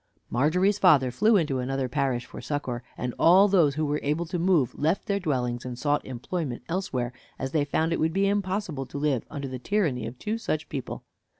Margery's father flew into another parish for succor, and all those who were able to move left their dwellings and sought employment elsewhere, as they found it would be impossible to live under the tyranny of two such people.